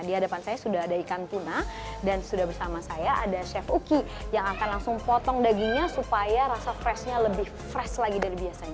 di hadapan saya sudah ada ikan tuna dan sudah bersama saya ada chef uki yang akan langsung potong dagingnya supaya rasa freshnya lebih fresh lagi dari biasanya